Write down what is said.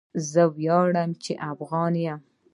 زه ویاړم چی افغان يم